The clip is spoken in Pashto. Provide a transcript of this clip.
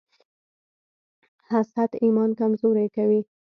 حسد ایمان کمزوری کوي.